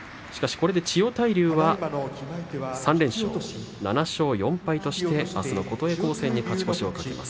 これで千代大龍のほうは３連勝７勝４敗としてあすの琴恵光戦に勝ち越しを懸けます。